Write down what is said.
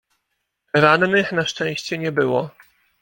Rannych na szczęście nie było.